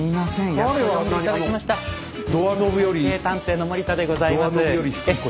「歴史探偵」の森田でございます。